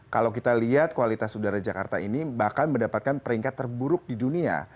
kalau kita lihat kualitas udara jakarta ini bahkan mendapatkan peringkat terburuk di dunia